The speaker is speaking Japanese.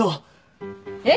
えっ？